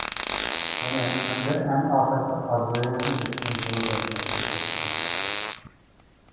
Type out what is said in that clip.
قېنى، ئەمدى ئەڭ ئاخىرقى ئارزۇيىڭىزنى دېسىڭىز بولىدۇ، -دەپتۇ سوتچى.